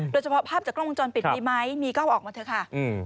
โดยเฉพาะภาพจากกล้องวงจรปิดมีไหมมีกล้องออกมาเถอะค่ะ